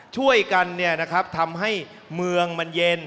ช่วยกันเนี่ยนะครับทำให้เมืองมันเย็น